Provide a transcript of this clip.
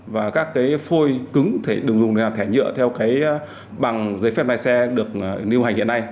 và các cái phôi cứng được dùng để làm thẻ nhựa theo cái bằng giấy phép lái xe được lưu hành hiện nay